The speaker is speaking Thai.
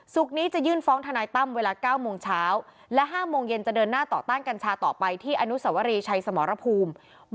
นี้จะยื่นฟ้องทนายตั้มเวลา๙โมงเช้าและ๕โมงเย็นจะเดินหน้าต่อต้านกัญชาต่อไปที่อนุสวรีชัยสมรภูมิ